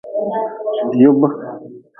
Yub.